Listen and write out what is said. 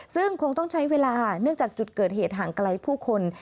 ซึ่งคงต้องใช้เวลาเนื่องจากจุดเกิดเหตุห่างไกลผู้คน